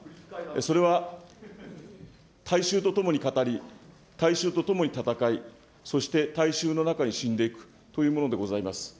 それは大衆とともに語り、大衆とともに戦い、そして大衆の中に死んでいくというものでございます。